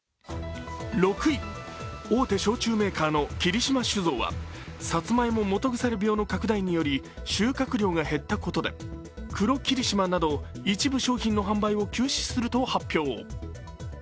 大手焼酎メーカーの霧島酒造はサツマイモ基腐病の拡大により収穫量が減ったことで黒霧島など一部商品の販売を休止すると発表。